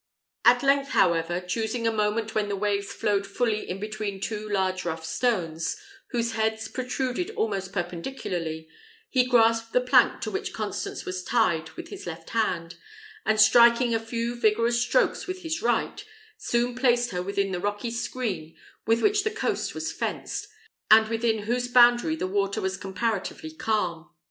At length, however, choosing a moment when the waves flowed fully in between two large rough stones, whose heads protruded almost perpendicularly, he grasped the plank to which Constance was tied with his left hand, and striking a few vigorous strokes with his right, soon placed her within the rocky screen with which the coast was fenced, and within whose boundary the water was comparatively calm.